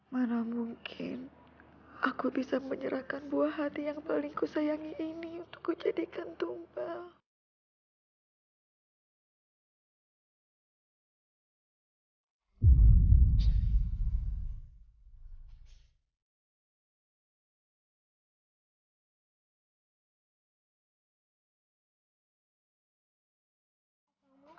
mana mungkin aku bisa menyerahkan buah hati yang paling ku sayangi ini untuk kujadikan tumpah